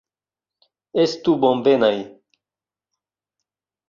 Estu bonvenaj!